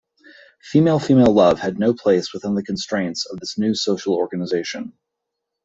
Female-female love had no place within the constraints of this new social organization.